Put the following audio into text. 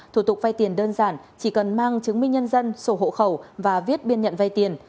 thủ tục vay tiền đơn giản chỉ cần mang chứng minh nhân dân sổ hộ khẩu và viết biên nhận vay tiền